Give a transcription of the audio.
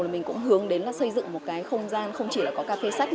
mình cũng hướng đến là xây dựng một cái không gian không chỉ là có cà phê sách